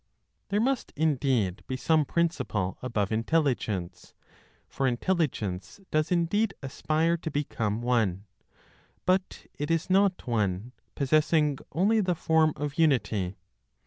There must indeed be some principle above Intelligence; for intelligence does indeed aspire to become one, but it is not one, possessing only the form of unity.